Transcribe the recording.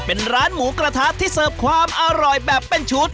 เป็นร้านหมูกระทะที่เสิร์ฟความอร่อยแบบเป็นชุด